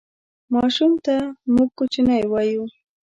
ماشوم ته موږ کوچنی وایو